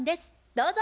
どうぞ。